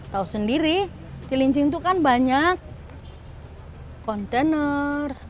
tahu sendiri cilincing itu kan banyak kontainer